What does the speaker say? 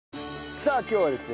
さあ今日はですね